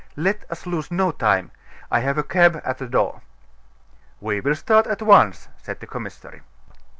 Let us lose no time. I have a cab at the door." "We will start at once," said the commissary.